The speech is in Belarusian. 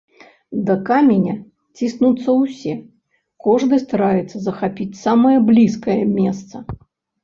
Да каменя ціснуцца ўсе, кожны стараецца захапіць самае блізкае месца.